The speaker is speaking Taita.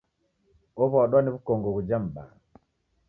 Ow'adwa ni w'ukongo ghuja m'baa.